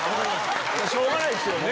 しょうがないっすよね。